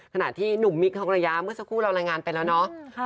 ขนาดที่หนุ่มมิกท์ทองระยะเมื่อสักครู่อะไรงานเป็นแล้วเนาะ